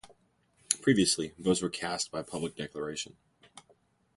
Previously, votes were cast by public declaration.